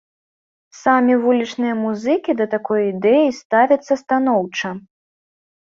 Самі вулічныя музыкі да такой ідэі ставяцца станоўча.